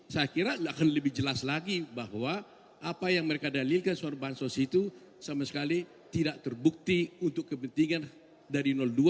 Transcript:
saya kira akan lebih jelas lagi bahwa apa yang mereka dalilkan soal bansos itu sama sekali tidak terbukti untuk kepentingan dari dua